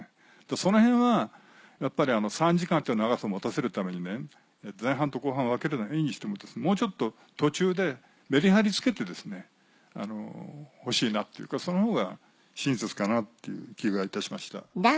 その辺はやっぱり３時間という長さ持たせるために前半と後半分けるのはいいにしてももうちょっと途中でメリハリつけてほしいなっていうかその方が親切かなっていう気がいたしました。